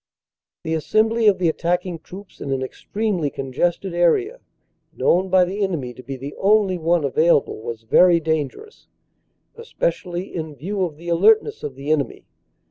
"The assembly of the attacking troops in an extremely con gested area known by the enemy to be the only one available was very dangerous, especially in view of the alertness of the enemy.